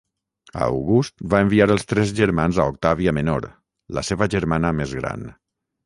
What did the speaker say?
August va enviar els tres germans a Octàvia Menor, la seva germana més gran.